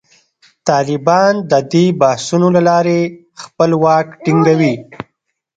طالبان د دې بحثونو له لارې خپل واک ټینګوي.